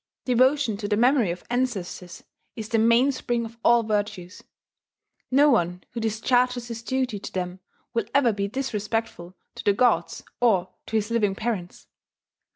Devotion to the memory of ancestors is the mainspring of all virtues. No one who discharges his duty to them will ever be disrespectful to the gods or to his living parents.